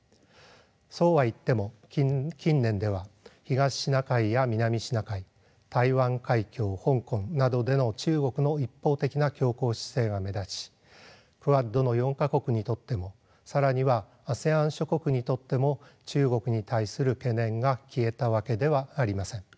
そうは言っても近年では東シナ海や南シナ海台湾海峡香港などでの中国の一方的な強硬姿勢が目立ちクアッドの４か国にとっても更にはＡＳＥＡＮ諸国にとっても中国に対する懸念が消えたわけではありません。